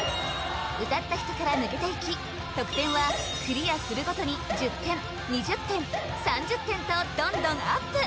歌った人から抜けていき得点はクリアするごとに１０点２０点３０点とどんどんアップ